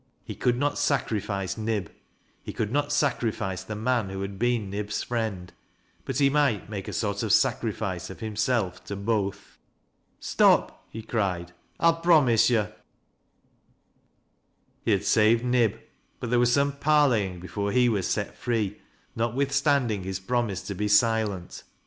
He could not sacrifice Nib — ^he could not sacrifice the man who had been Nib'fl friend ; but ho might make a sort of sacrifice of himself to both. " Stop 1 " he cried " I'll promise yo'." He had saved Nib, bat there was some parleying before he was set free, notwithstanding his promise to be silent.